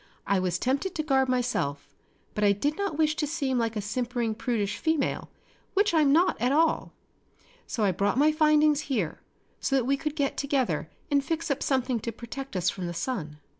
"I was tempted to garb myself, but I did not wish to seem like a simpering prudish female, which I'm not at all. So I brought my findings here so that we could get together and fix up something to protect us from the sun."